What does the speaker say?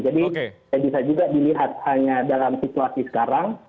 jadi yang bisa juga dilihat hanya dalam situasi sekarang